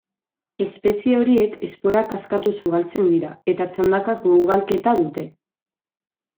Espezie horiek esporak askatuz ugaltzen dira eta txandakako ugalketa dute.